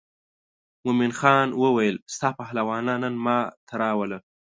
مومن خان وویل ستا پهلوانان نن ما ته راوله.